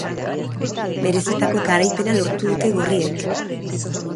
Merezitako garaipena lortu dute gorriek.